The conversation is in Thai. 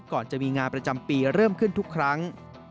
ก่อนจะมีงานประจำปีเริ่มขึ้นทุกครั้ง